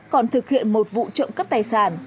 còn thực hiện một vụ trộm cấp tài sản